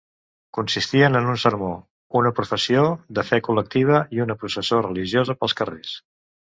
Consistien en un sermó, una professió de fe col·lectiva i una processó religiosa pels carrers.